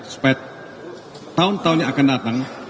supaya tahun tahun yang akan datang